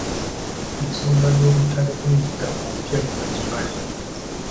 Ensonga y'obutale bw'emigabo mpya nnyo gye bali.